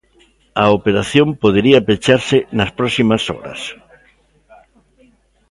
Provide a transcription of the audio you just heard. A operación podería pecharse nas próximas horas.